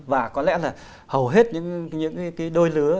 và có lẽ là hầu hết những đôi lứa